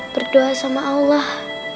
berdoa sama allah